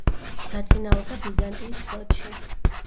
დაწინაურდა ბიზანტიის ფლოტში.